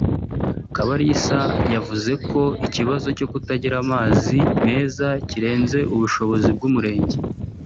Kabalisa yavuze ko ikibazo cyo kutagira amazi meza kirenze ubushobozi bw’umurenge